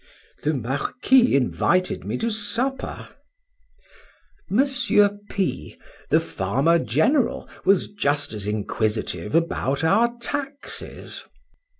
—The Marquis invited me to supper. Monsieur P—, the farmer general, was just as inquisitive about our taxes.